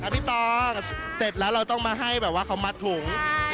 พี่ตอเสร็จแล้วเราต้องมาให้แบบว่าเขามัดถุง